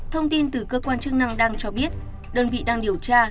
thông tin từ cơ quan chức năng đăng cho biết đơn vị đăng điều tra